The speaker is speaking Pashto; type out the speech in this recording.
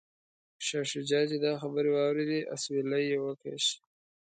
شاه شجاع چې دا خبرې واوریدې اسویلی یې وکیښ.